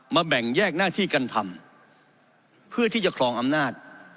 แบ่งแยกหน้าที่กันทำเพื่อที่จะครองอำนาจ